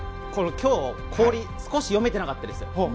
今日は氷少し読めていなかったです。